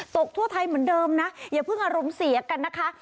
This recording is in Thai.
ทั่วไทยเหมือนเดิมนะอย่าเพิ่งอารมณ์เสียกันนะคะ